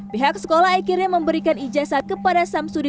pihak sekolah akhirnya memberikan ijazah kepada samsudin